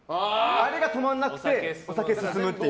あれが止まらなくてお酒が進むっていう。